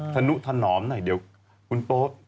สนุทนอมหน่อยเดี๋ยวคุณโป๊ปกระจับ